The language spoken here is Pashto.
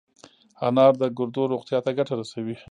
انار د ګردو روغتیا ته ګټه رسوي.